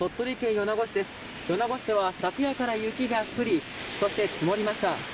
米子市では昨夜から雪が降り、そして積もりました。